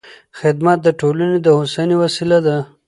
خدمت د ټولنې د هوساینې وسیله ده.